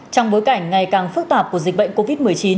trong bối cảnh ngày càng phức tạp của dịch bệnh covid một mươi chín